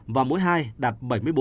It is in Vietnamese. và mỗi hai đạt bảy mươi bốn năm